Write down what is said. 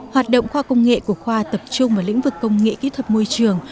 hoạt động khoa công nghệ của khoa tập trung vào lĩnh vực công nghệ kỹ thuật môi trường